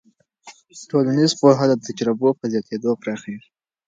ټولنیز پوهه د تجربو په زیاتېدو پراخېږي.